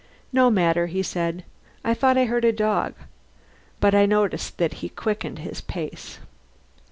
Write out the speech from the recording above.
"No matter," he said. "I thought I heard a dog." But I noticed that he quickened his pace.